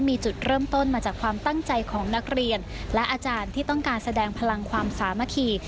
มีจุดเริ่มต้นมาจากความตั้งใจของนักเรียนและอาจารย์ที่ต้องการแสดงพลังความสามัคคี